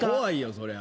そりゃ。